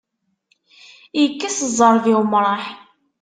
Ikkes ẓẓerb, i umṛaḥ.